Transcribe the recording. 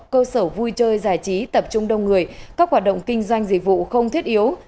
cơ sở vui chơi giải trí tập trung đông người các hoạt động kinh doanh dịch vụ không thiết yếu